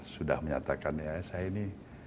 sudah menyatakan ya saya ini